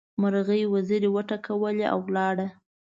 مرغۍ وزرې وټکولې؛ ولاړه.